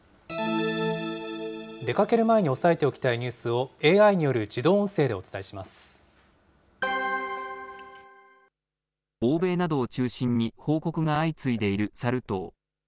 出かける前に押さえておきたいニュースをＡＩによる自動音声欧米などを中心に報告が相次いでいるサル痘。